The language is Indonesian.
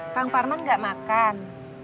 kang parman gak makan